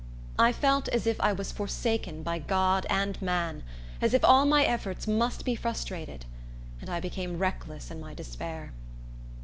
I felt as if I was forsaken by God and man; as if all my efforts must be frustrated; and I became reckless in my despair.